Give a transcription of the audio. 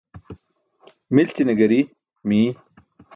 Milćine gari miy.